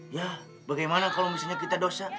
ya bagaimana kalau misalnya kita dosa